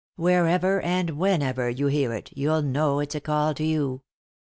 Wherever, and whenever, you hear it, you'll know it's a call to you.